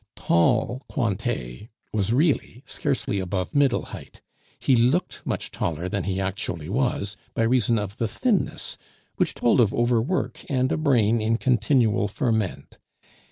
Tall Cointet was really scarcely above middle height; he looked much taller than he actually was by reason of the thinness, which told of overwork and a brain in continual ferment.